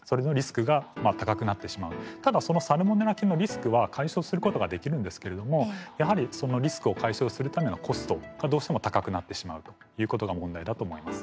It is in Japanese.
ただそのサルモネラ菌のリスクは解消することができるんですけれどもやはりそのリスクを解消するためのコストがどうしても高くなってしまうということが問題だと思います。